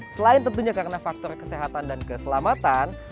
selain tentunya karena faktor kesehatan dan keselamatan